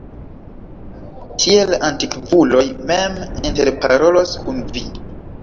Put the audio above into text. Tiel antikvuloj mem interparolos kun vi.